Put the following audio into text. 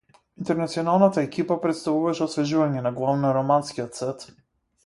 Интернационалната екипа претставуваше освежување на главно романскиот сет.